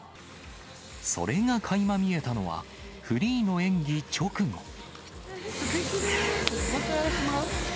それがかいま見えたのは、フリーの演技直後。